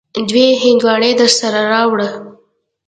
دوې هندواڼی درسره راوړه.